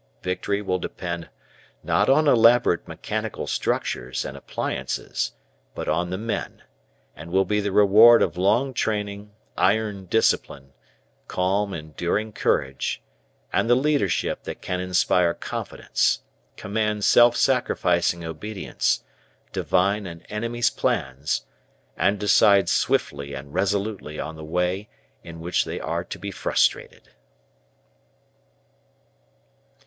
Victory will depend not on elaborate mechanical structures and appliances, but on the men, and will be the reward of long training, iron discipline, calm, enduring courage, and the leadership that can inspire confidence, command self sacrificing obedience, divine an enemy's plans, and decide swiftly and resolutely on the way in which they are to be frustrated.